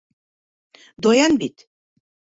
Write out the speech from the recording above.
Даян бит...